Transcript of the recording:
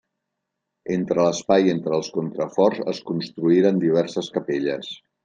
Entre l'espai entre els contraforts es construïren diverses capelles.